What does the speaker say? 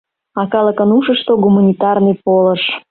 А калыкын ушышто гуманитарный полыш.